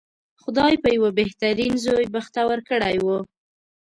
خدای په یوه بهترین زوی بختور کړی و.